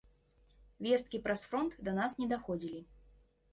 Весткі праз фронт да нас не даходзілі.